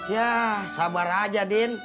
ya sabar aja ndin